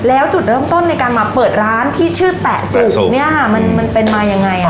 แล้วจุดเริ่มต้นในการมาเปิดร้านที่ชื่อแตะซูซูเนี่ยค่ะมันเป็นมายังไง